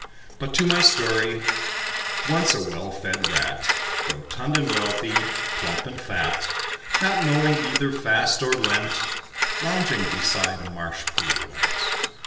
But to my story: once a well fed Rat, Rotund and wealthy, plump and fat, Not knowing either Fast or Lent, Lounging beside a marsh pool went.